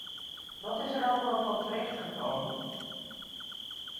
Wat is er allemaal van terecht gekomen?